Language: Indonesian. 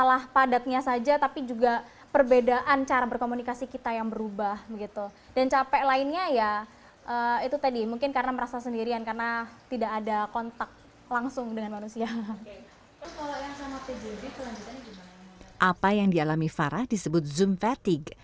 apa yang dialami farah disebut zoom fatigue